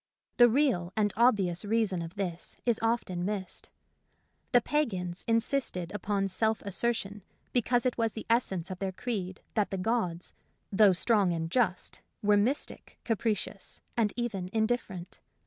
The real and obvious reason of this is often missed. The pagans insisted upon self assertion because it was the essence of their creed that the gods, though strong and just, were mystic, capricious, and even indifferent.